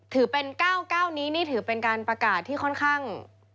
ถือเป็น๙๙นี้นี่ถือเป็นการประกาศที่ค่อนข้าง